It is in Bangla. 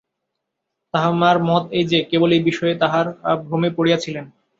আমার মত এই যে, কেবল এই বিষয়েই তাঁহারা ভ্রমে পড়িয়াছিলেন।